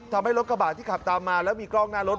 ทำให้รถกระบาดที่ขับตามมาแล้วมีกล้องหน้ารถ